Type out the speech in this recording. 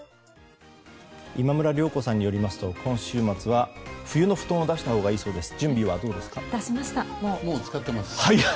今村涼子さんによりますと今週末は冬の布団を出したほうがいいそうです。